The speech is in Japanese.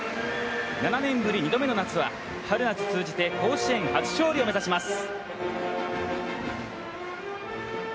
７年ぶり２度目の夏は春夏通じて甲子園初勝利を目指します。